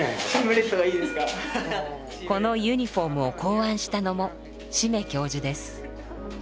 このユニフォームを考案したのも志馬教授です。